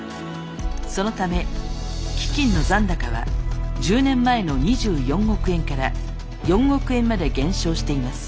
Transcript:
そのため基金の残高は１０年前の２４億円から４億円まで減少しています。